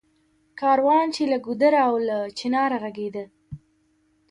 کاروان چــــې له ګـــــودره او له چنار غـــږېده